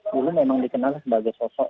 dulu memang dikenal sebagai sosok